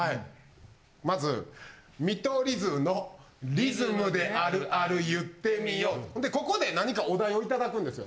リズムであるある言ってみようでここで何かお題をいただくんですよ。